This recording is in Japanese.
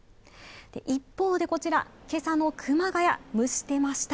一方でこちら、今朝の熊谷、蒸してました。